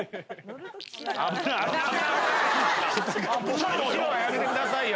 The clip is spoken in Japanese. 後ろはやめてくださいよ。